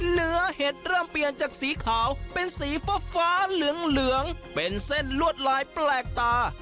เห็ดเริ่มเปลี่ยนจากสีขาวเป็นสีฟ้าเหลืองเป็นเส้นลวดลายแปลกตา